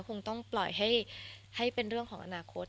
คงต้องปล่อยให้เป็นเรื่องของอนาคต